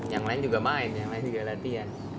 yang lain juga main yang lain juga latihan